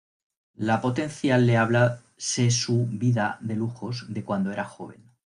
La Potencial le habla se su vida de lujos de cuando era joven.